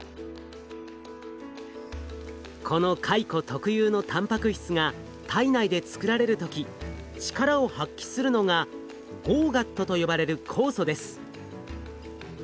このカイコ特有のたんぱく質が体内で作られる時力を発揮するのがＧＯＧＡＴと呼ばれる酵素です。